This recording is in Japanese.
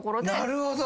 なるほど。